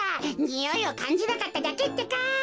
においをかんじなかっただけってか！